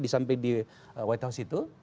di samping di white house itu